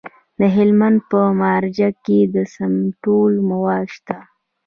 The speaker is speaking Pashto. د هلمند په مارجه کې د سمنټو مواد شته.